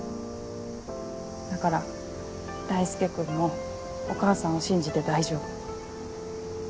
だから大輔君もお母さんを信じて大丈夫。